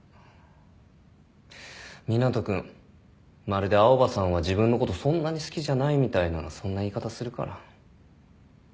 まるで青羽さんは自分のことそんなに好きじゃないみたいなそんな言い方するから。